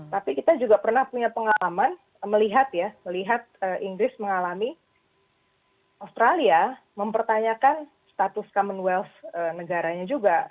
tapi kita juga pernah punya pengalaman melihat ya melihat inggris mengalami australia mempertanyakan status commonwealth negaranya juga